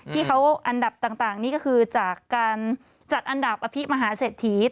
ที่เขาอันดับต่างนี่ก็คือจากการจัดอันดับอภิมหาเศรษฐี